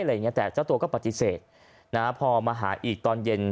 อย่างเงี้แต่เจ้าตัวก็ปฏิเสธนะฮะพอมาหาอีกตอนเย็น